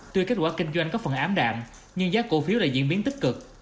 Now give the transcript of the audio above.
tuy kết quả kinh doanh có phần ám đạm nhưng giá cổ phiếu lại diễn biến tích cực